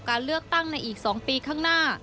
การเลือกตั้งในอีก๒ปีข้างหน้า